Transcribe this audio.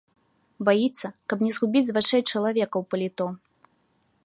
Баіцца, каб не згубіць з вачэй чалавека ў паліто.